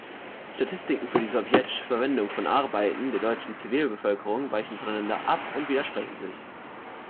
Statistiken für die sowjetische Verwendung von Arbeiten der deutschen Zivilbevölkerung weichen voneinander ab und widersprechen sich.